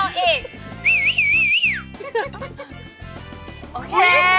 โอเค